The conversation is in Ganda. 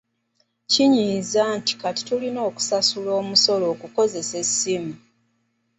Kinyiiza nti kati tulina okusasula omusolo okukozesa essimu.